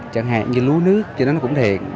chẳng hạn như lúa nước trên đó nó cũng thể hiện